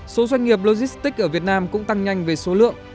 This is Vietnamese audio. số doanh nghiệp logistics ở việt nam cũng tăng nhanh về số lượng